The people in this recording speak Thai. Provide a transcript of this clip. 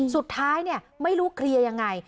สุดท้ายไม่รู้เคลียร์ยังไง